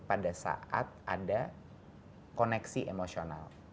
pada saat ada koneksi emosional